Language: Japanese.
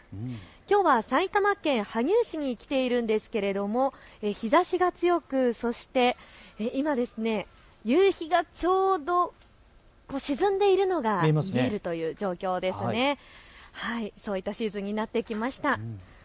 きょうは埼玉県羽生市に来ているんですけれど日ざしが強く、そして今、夕日がちょうど沈んでいるのが見えるという状況、そういったシーズンになってきました。